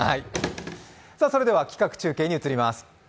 それでは企画中継に移ります。